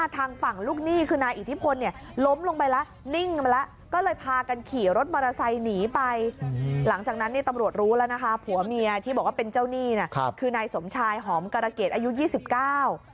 แต่พอเห็นว่าทางฝั่งลูกหนี้คือนายอีทิพล